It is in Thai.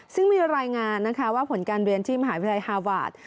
ซึ่งมีรายงานว่าผลการเรียนที่มหาวิทยาวาส